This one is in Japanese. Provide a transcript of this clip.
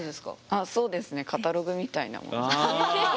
あそうですね。カタログみたいなものです。